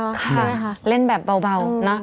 ใช่ค่ะเล่นแบบเบานะ